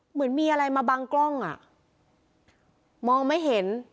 เหมือนมีอะไรมาบังกล้องอ่ะมองไม่เห็น